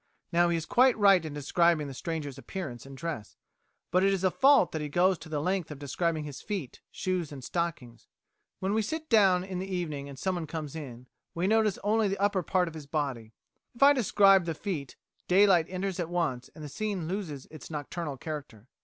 Now he is quite right in describing the stranger's appearance and dress, but it is a fault that he goes to the length of describing his feet, shoes and stockings. When we sit down in the evening and someone comes in, we notice only the upper part of his body. If I describe the feet, daylight enters at once and the scene loses its nocturnal character."